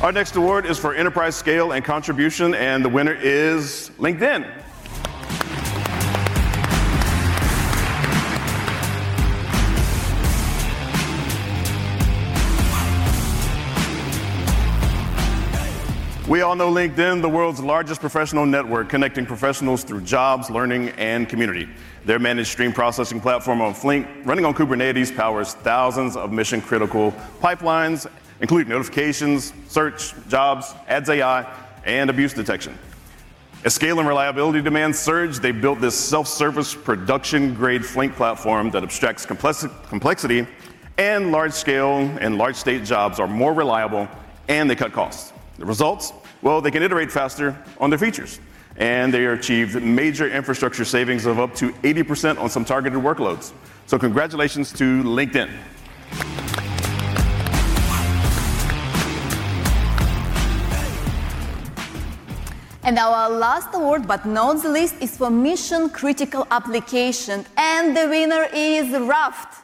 [SPEAKER 7] Our next award is for enterprise scale and contribution, and the winner is LinkedIn. We all know LinkedIn, the world's largest professional network connecting professionals through jobs, learning, and community. Their managed stream processing platform on Flink, running on Kubernetes, powers thousands of mission-critical pipelines, including notifications, search, jobs, ads, AI, and abuse detection. As scale and reliability demands surge, they built this self-service production-grade Flink platform that abstracts complexity, and large-scale and large-state jobs are more reliable, and they cut costs. The results? Well, they can iterate faster on their features, and they achieved major infrastructure savings of up to 80% on some targeted workloads. So congratulations to LinkedIn.
[SPEAKER 8] And our last award, but not the least, is for mission-critical application, and the winner is Raft.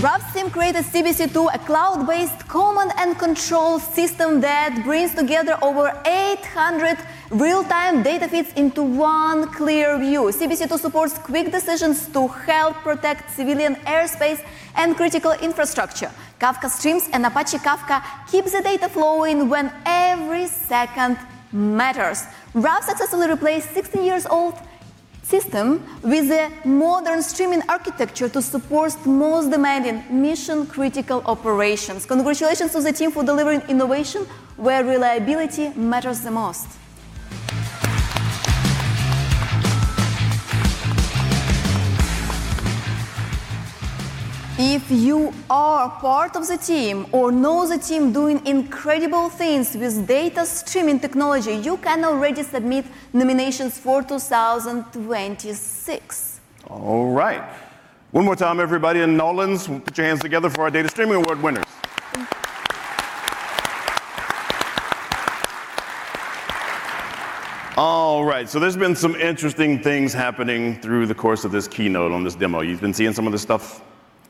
[SPEAKER 8] Raft seemed to create a CBC2, a cloud-based command and control system that brings together over 800 real-time data feeds into one clear view. CBC2 supports quick decisions to help protect civilian airspace and critical infrastructure. Kafka Streams and Apache Kafka keep the data flowing when every second matters. Raft successfully replaced a 16-year-old system with a modern streaming architecture to support the most demanding mission-critical operations. Congratulations to the team for delivering innovation where reliability matters the most. If you are part of the team or know the team doing incredible things with data streaming technology, you can already submit nominations for 2026.
[SPEAKER 7] All right. One more time, everybody, and Nolans, put your hands together for our data streaming award winners. All right. So there's been some interesting things happening through the course of this keynote on this demo. You've been seeing some of the stuff?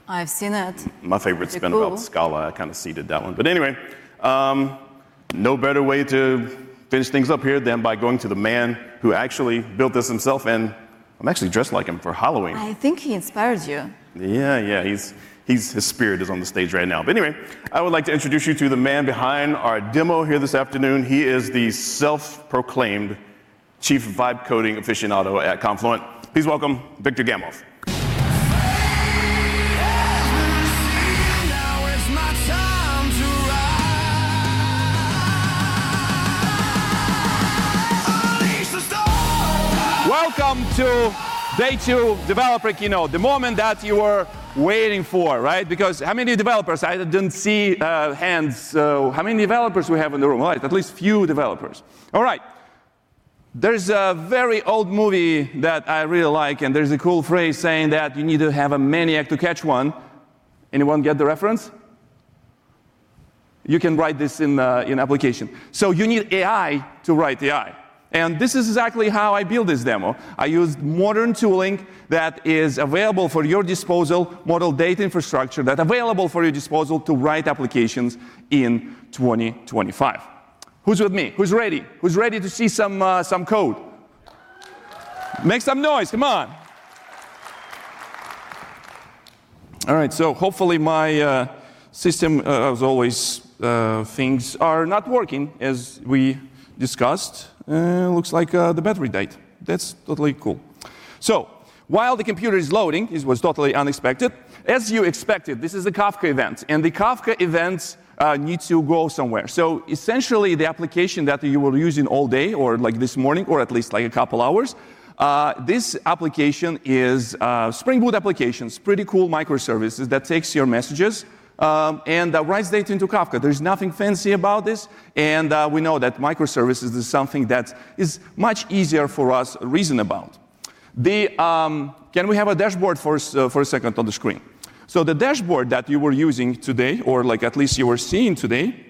[SPEAKER 8] I've seen it.
[SPEAKER 7] My favorite's been about Scala. I kind of seeded that one. But anyway, no better way to finish things up here than by going to the man who actually built this himself, and I'm actually dressed like him for Halloween.
[SPEAKER 8] I think he inspired you.
[SPEAKER 7] Yeah, yeah. His spirit is on the stage right now. But anyway, I would like to introduce you to the man behind our demo here this afternoon. He is the self-proclaimed Chief Vibe Coding Aficionado at Confluent. Please welcome Viktor Gamov.
[SPEAKER 9] Welcome to Day Two Developer Keynote, the moment that you were waiting for, right? Because how many developers? I didn't see hands. So how many developers do we have in the room? All right. At least a few developers. All right. There's a very old movie that I really like, and there's a cool phrase saying that you need to have a maniac to catch one. Anyone get the reference? You can write this in an application. So you need AI to write AI. And this is exactly how I built this demo. I used modern tooling that is available for your disposal, modern data infrastructure that's available for your disposal to write applications in 2025. Who's with me? Who's ready? Who's ready to see some code? Make some noise. Come on. All right. So hopefully my system, as always, things are not working as we discussed. Looks like the battery died. That's totally cool. So while the computer is loading, this was totally unexpected. As you expected, this is a Kafka event, and the Kafka events need to go somewhere. So essentially, the application that you were using all day, or like this morning, or at least like a couple of hours, this application is Spring Boot applications, pretty cool microservices that take your messages and write data into Kafka. There's nothing fancy about this, and we know that microservices is something that is much easier for us to reason about. Can we have a dashboard for a second on the screen? So the dashboard that you were using today, or at least you were seeing today,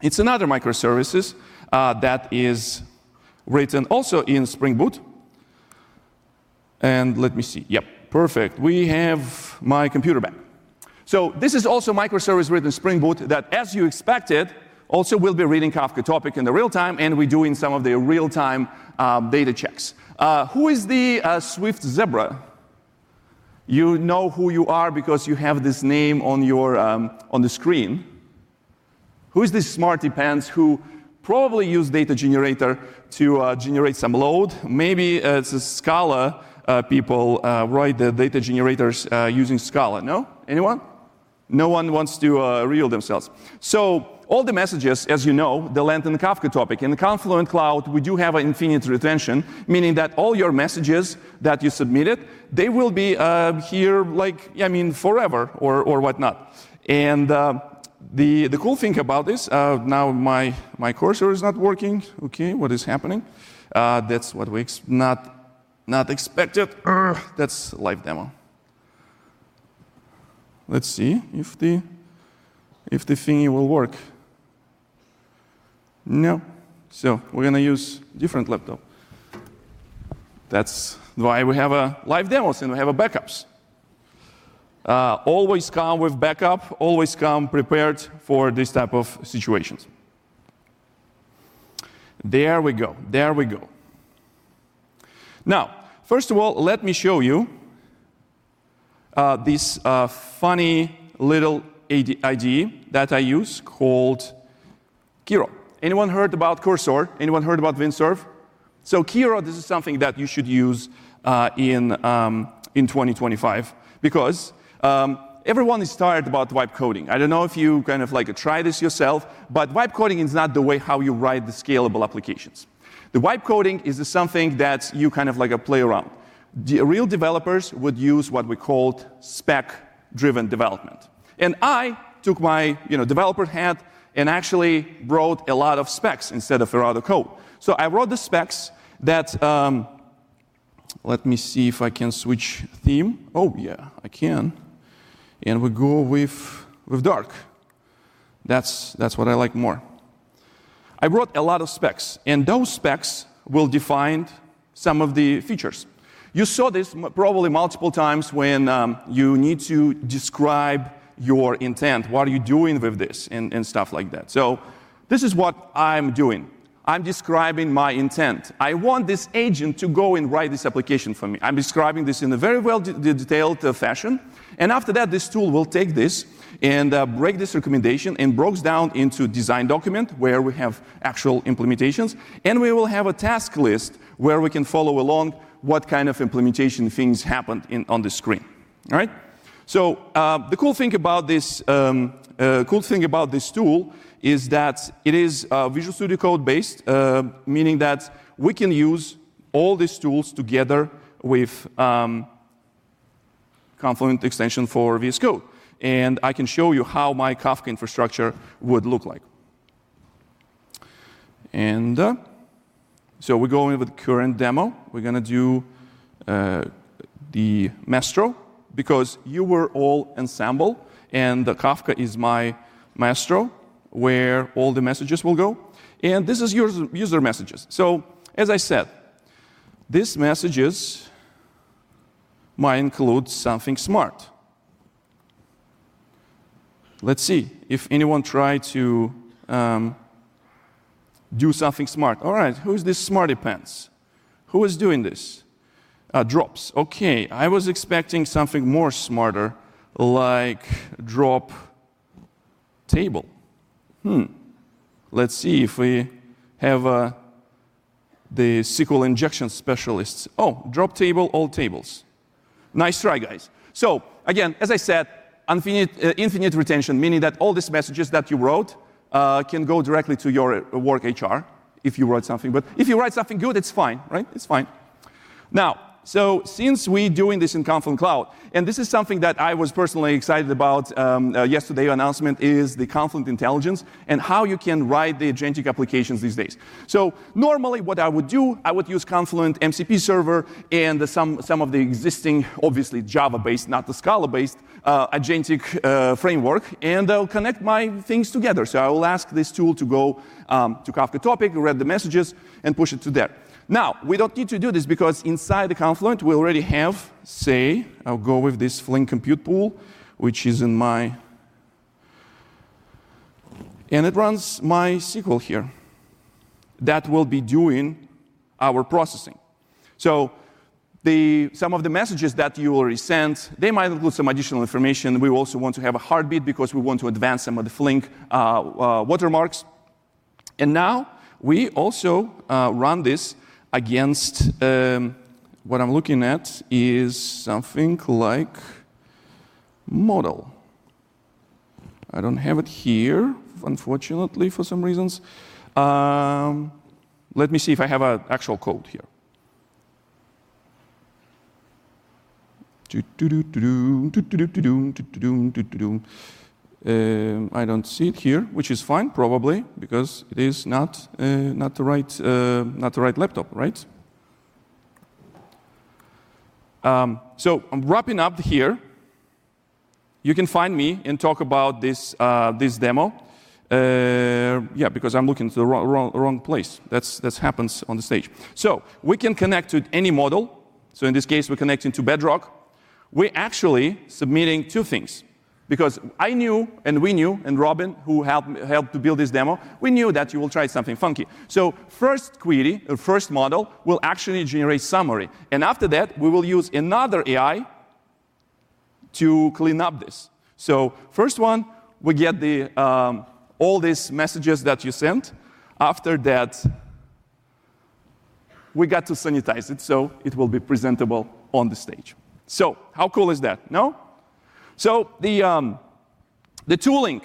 [SPEAKER 9] it's another microservice that is written also in Spring Boot. And let me see. Yep. Perfect. We have my computer back. So this is also a microservice written in Spring Boot that, as you expected, also will be reading Kafka topic in real time, and we're doing some of the real-time data checks. Who is the Swift Zebra? You know who you are because you have this name on the screen. Who is the smarty pants who probably used data generator to generate some load? Maybe it's a Scala people write the data generators using Scala. No? Anyone? No one wants to reveal themselves. So all the messages, as you know, they land in the Kafka topic. In the Confluent Cloud, we do have an infinite retention, meaning that all your messages that you submitted, they will be here like, I mean, forever or whatnot, and the cool thing about this, now my cursor is not working. Okay. What is happening? That's what we not expected. That's a live demo. Let's see if the thingy will work. No, so we're going to use a different laptop. That's why we have live demos, and we have backups. Always come with backup, always come prepared for this type of situations. There we go. There we go. Now, first of all, let me show you this funny little IDE that I use called Kiro. Anyone heard about Cursor? Anyone heard about Windsurf? So Kiro, this is something that you should use in 2025 because everyone is tired about vibe coding. I don't know if you kind of like to try this yourself, but vibe coding is not the way how you write the scalable applications. The vibe coding is something that you kind of like to play around. Real developers would use what we called spec-driven development, and I took my developer hat and actually wrote a lot of specs instead of a lot of code. So I wrote the specs that let me see if I can switch theme. Oh yeah, I can, and we go with dark. That's what I like more. I wrote a lot of specs, and those specs will define some of the features. You saw this probably multiple times when you need to describe your intent. What are you doing with this and stuff like that, so this is what I'm doing. I'm describing my intent. I want this agent to go and write this application for me. I'm describing this in a very well-detailed fashion. And after that, this tool will take this and break this recommendation and break it down into a design document where we have actual implementations, and we will have a task list where we can follow along what kind of implementation things happened on the screen. All right. So the cool thing about this tool is that it is Visual Studio Code-based, meaning that we can use all these tools together with Confluent Extension for VS Code. And I can show you how my Kafka infrastructure would look like. And so we're going with the current demo. We're going to do the Maestro because you were all Ensemble, and the Kafka is my Maestro where all the messages will go. And this is your user messages. So as I said, these messages might include something smart. Let's see if anyone tried to do something smart. All right. Who is this smarty pants? Who is doing this? Drops. Okay. I was expecting something more smarter, like Drop Table. Let's see if we have the SQL injection specialists. Oh, Drop Table, all tables. Nice try, guys. So again, as I said, infinite retention, meaning that all these messages that you wrote can go directly to your work HR if you wrote something. But if you write something good, it's fine, right? It's fine. Now, so since we're doing this in Confluent Cloud, and this is something that I was personally excited about, yesterday's announcement is the Confluent Intelligence and how you can write the agentic applications these days. So normally what I would do, I would use Confluent MCP Server and some of the existing, obviously Java-based, not the Scala-based agentic framework, and I'll connect my things together. So I will ask this tool to go to Kafka topic, read the messages, and push it to there. Now, we don't need to do this because inside the Confluent, we already have, say, I'll go with this Flink Compute Pool, which is in my, and it runs my SQL here that will be doing our processing. So some of the messages that you already sent, they might include some additional information. We also want to have a heartbeat because we want to advance some of the Flink watermarks. And now we also run this against what I'm looking at is something like model. I don't have it here, unfortunately, for some reasons. Let me see if I have an actual code here. I don't see it here, which is fine probably because it is not the right laptop, right? So I'm wrapping up here. You can find me and talk about this demo. Yeah, because I'm looking at the wrong place. That happens on the stage. So we can connect to any model. So in this case, we're connecting to Bedrock. We're actually submitting two things because I knew, and we knew, and Robin, who helped to build this demo, we knew that you will try something funky. So first query, or first model, will actually generate summary. And after that, we will use another AI to clean up this. So first one, we get all these messages that you sent. After that, we got to sanitize it so it will be presentable on the stage. So how cool is that? No? So the tooling,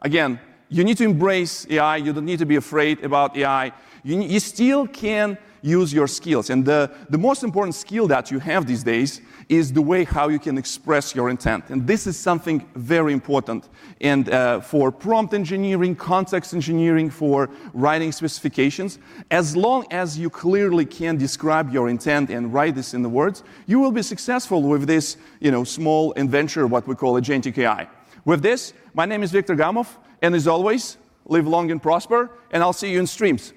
[SPEAKER 9] again, you need to embrace AI. You don't need to be afraid about AI. You still can use your skills. And the most important skill that you have these days is the way how you can express your intent. And this is something very important. And for prompt engineering, context engineering, for writing specifications, as long as you clearly can describe your intent and write this in the words, you will be successful with this small adventure, what we call Agentic AI. With this, my name is Viktor Gamov. And as always, live long and prosper, and I'll see you in streams.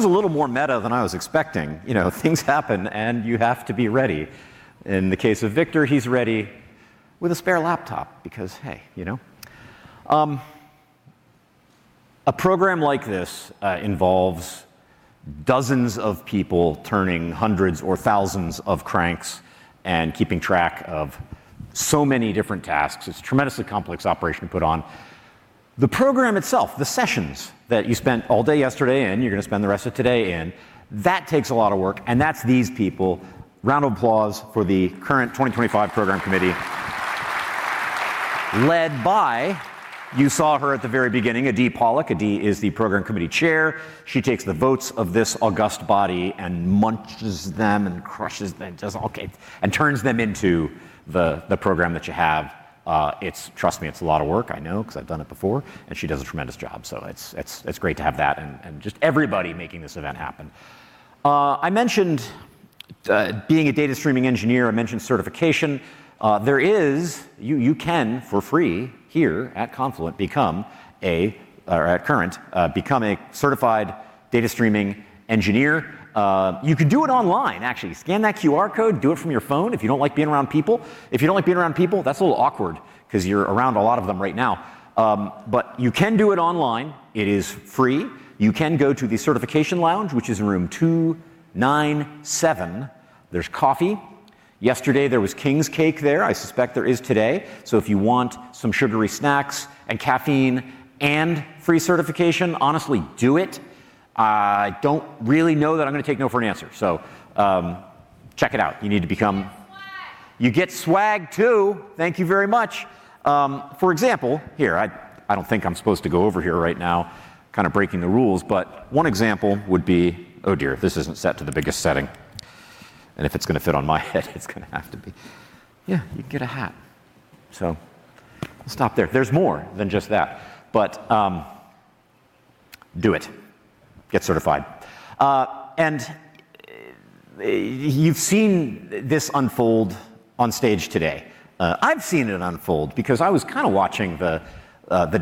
[SPEAKER 3] That was a little more meta than I was expecting. Things happen, and you have to be ready. In the case of Viktor, he's ready with a spare laptop because, hey, you know. A program like this involves dozens of people turning hundreds or thousands of cranks and keeping track of so many different tasks. It's a tremendously complex operation to put on. The program itself, the sessions that you spent all day yesterday in, you're going to spend the rest of today in, that takes a lot of work, and that's these people. Round of applause for the Current 2025 Program Committee led by, you saw her at the very beginning, Adi Polak. Adi is the Program Committee chair. She takes the votes of this august body and munches them and crushes them and turns them into the program that you have. Trust me, it's a lot of work, I know, because I've done it before, and she does a tremendous job. So it's great to have that and just everybody making this event happen. I mentioned being a data streaming engineer. I mentioned certification. You can, for free here at Confluent, become a current, become a Certified Data Streaming Engineer. You can do it online, actually. Scan that QR code, do it from your phone if you don't like being around people. If you don't like being around people, that's a little awkward because you're around a lot of them right now. But you can do it online. It is free. You can go to the Certification Lounge, which is in Room 297. There's coffee. Yesterday, there was king's cake there. I suspect there is today. So if you want some sugary snacks and caffeine and free certification, honestly, do it. I don't really know that I'm going to take no for an answer. So check it out. You need to become you get swag too. Thank you very much. For example, here, I don't think I'm supposed to go over here right now, kind of breaking the rules, but one example would be, oh dear, this isn't set to the biggest setting. And if it's going to fit on my head, it's going to have to be, yeah, you get a hat. So we'll stop there. There's more than just that, but do it. Get certified. And you've seen this unfold on stage today. I've seen it unfold because I was kind of watching the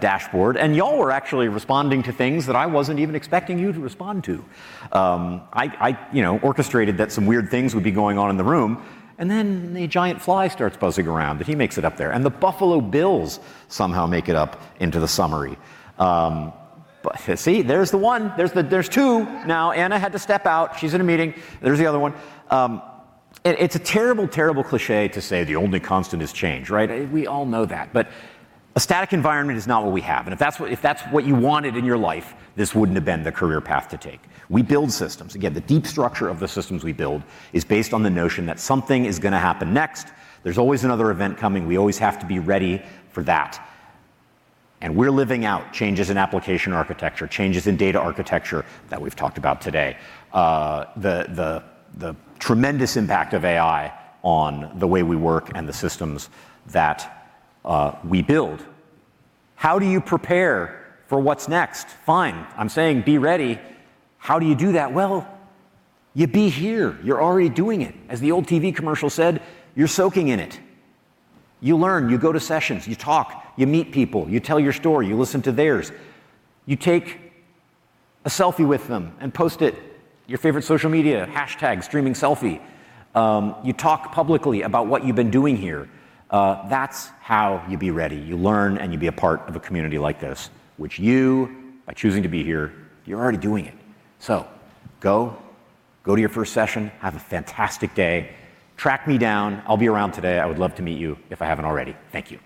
[SPEAKER 3] dashboard, and y'all were actually responding to things that I wasn't even expecting you to respond to. I orchestrated that some weird things would be going on in the room, and then a giant fly starts buzzing around, but he makes it up there. And the Buffalo Bills somehow make it up into the summary. But see, there's the one. There's two. Now, Anna had to step out. She's in a meeting. There's the other one. It's a terrible, terrible cliché to say the only constant is change, right? We all know that. But a static environment is not what we have. And if that's what you wanted in your life, this wouldn't have been the career path to take. We build systems. Again, the deep structure of the systems we build is based on the notion that something is going to happen next. There's always another event coming. We always have to be ready for that. And we're living out changes in application architecture, changes in data architecture that we've talked about today, the tremendous impact of AI on the way we work and the systems that we build. How do you prepare for what's next? Fine. I'm saying be ready. How do you do that? Well, you be here. You're already doing it. As the old TV commercial said, you're soaking in it. You learn. You go to sessions. You talk. You meet people. You tell your story. You listen to theirs. You take a selfie with them and post it, your favorite social media, hashtag streaming selfie. You talk publicly about what you've been doing here. That's how you be ready. You learn and you be a part of a community like this, which you, by choosing to be here, you're already doing it. So go to your first session. Have a fantastic day. Track me down. I'll be around today. I would love to meet you if I haven't already. Thank you.